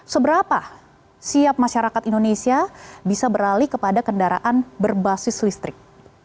seberapa siap masyarakat indonesia bisa beralih kepada kendaraan berbasis listrik